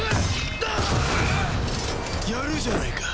やるじゃないか。